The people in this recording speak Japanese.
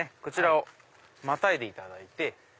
こちらをまたいでいただいて。